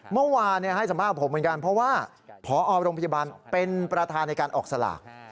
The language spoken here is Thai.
เมื่อวานให้สัมภาษณ์ผมเหมือนกันเพราะว่าพอโรงพยาบาลเป็นประธานในการออกสลาก